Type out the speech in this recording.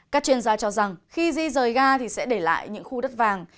các chuyên gia cho rằng khi di rời ga thì sẽ để lại những khu đất vàng